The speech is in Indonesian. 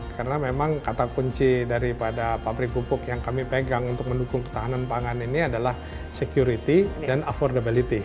karena memang kata kunci daripada pabrik pupuk yang kami pegang untuk mendukung ketahanan pangan ini adalah security dan affordability